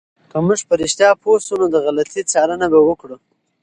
که موږ په رښتیا پوه شو، نو د غلطي څارنه به وکړو.